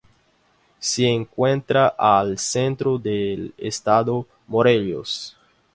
Se encuentra al centro del estado Morelos.